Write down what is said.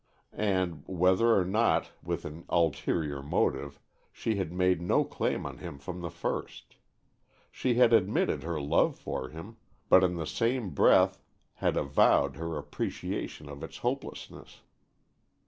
And, whether or not with an ulterior motive, she had made no claim on him from the first. She had admitted her love for him, but in the same breath had avowed her appreciation of its hopelessness.